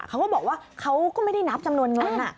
เขาก็บอกว่าเขาก็ไม่ได้นับจำนวนเงิน